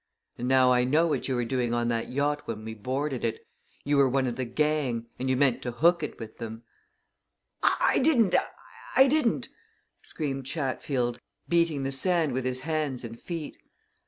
And now I know what you were doing on that yacht when we boarded it you were one of the gang, and you meant to hook it with them " "I didn't I didn't!" screamed Chatfield, beating the sand with his hands and feet.